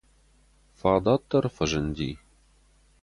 Фадат дӕр фӕзынди.